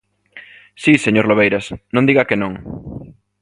Si, señor Lobeiras, non diga que non.